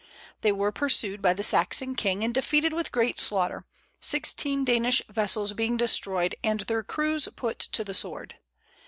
They were pursued by the Saxon king and defeated with great slaughter, sixteen Danish vessels being destroyed and their crews put to the sword.